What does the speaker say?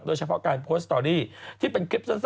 โดยเฉพาะการโพสต์สตอรี่ที่เป็นคลิปสั้น